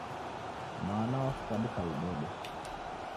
Mwana wafwadika ludedo.